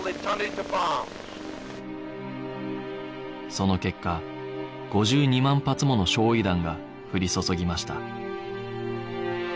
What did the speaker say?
その結果５２万発もの焼夷弾が降り注ぎました